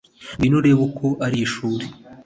ngwino urebe uko ari ishuri